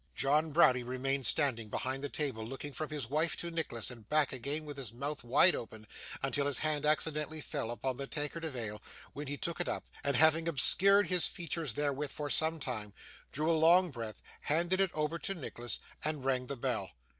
John Browdie remained standing behind the table, looking from his wife to Nicholas, and back again, with his mouth wide open, until his hand accidentally fell upon the tankard of ale, when he took it up, and having obscured his features therewith for some time, drew a long breath, handed it over to Nicholas, and rang the bell.